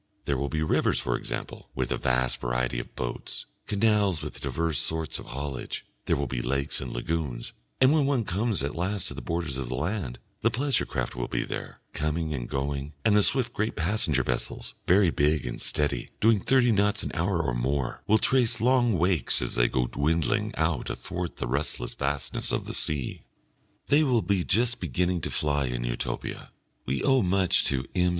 There will be rivers, for example, with a vast variety of boats; canals with diverse sorts of haulage; there will be lakes and lagoons; and when one comes at last to the borders of the land, the pleasure craft will be there, coming and going, and the swift great passenger vessels, very big and steady, doing thirty knots an hour or more, will trace long wakes as they go dwindling out athwart the restless vastness of the sea. They will be just beginning to fly in Utopia. We owe much to M.